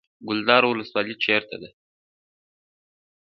کلدار ولسوالۍ چیرته ده؟